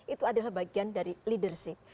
itu adalah bagian dari leadership